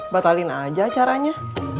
batalin aja acaranya